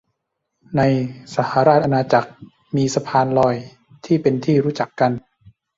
ในสหราชอาณาจักรมีสะพานลอยที่เป็นที่รู้จักกัน